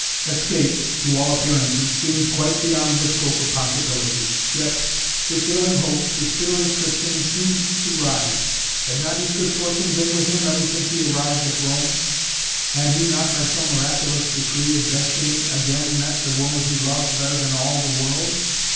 Escape, to all appearances, seemed quite beyond the scope of possibility. Yet, with failing hopes, the spirit of Tristan seemed to rise. Had not his good fortune been with him ever since he arrived at Rome? Had he not, by some miraculous decree of destiny, again met the woman he loved better than all the world?